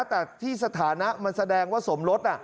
แต่ที่สถานะมันแสดงว่าสมรส